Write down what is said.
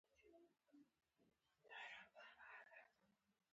نه، انټرنېټ بند دی